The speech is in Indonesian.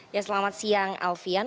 ya selamat siang alfian